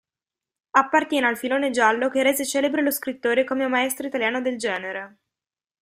Appartiene al filone giallo che rese celebre lo scrittore come maestro italiano del genere.